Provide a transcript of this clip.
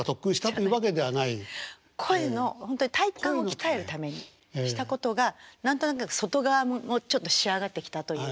声のほんとに体幹を鍛えるためにしたことが何となく外側もちょっと仕上がってきたという。